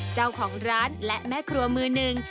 เจ้าของร้านและแม่ครัวมือหนึ่ง